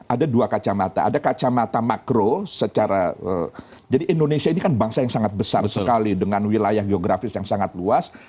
ada dua kacamata ada kacamata makro secara jadi indonesia ini kan bangsa yang sangat besar sekali dengan wilayah geografis yang sangat luas